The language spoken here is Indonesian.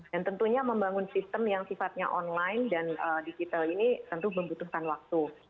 dan tentunya membangun sistem yang sifatnya online dan digital ini tentu membutuhkan waktu